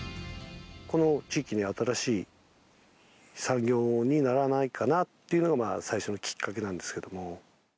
この地域に、新しい産業にならないかなっていうのが、最初のきっかけなんですけども。